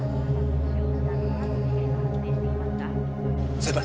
先輩。